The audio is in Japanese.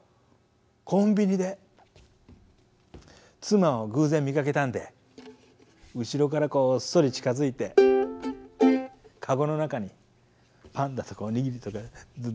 コンビニで妻を偶然見かけたんで後ろからこっそり近づいて籠の中にパンだとかお握りとかどんどん入れてたんですよ。